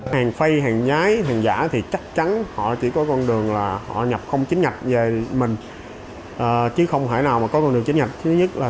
hàng phay hàng nhái hàng giả thì chắc chắn họ chỉ có con đường là họ nhập không chính nhạch về mình chứ không thể nào mà có con đường chính nhạch